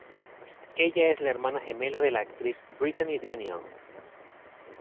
Ella es la hermana gemela de la actriz Brittany Daniel.